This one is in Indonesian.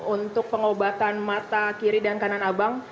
untuk pengobatan mata kiri dan kanan abang